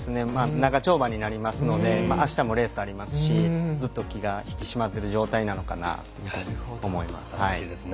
長丁場になりますのであしたもレースありますしずっと気が引き締まっている状態なのかなと思います。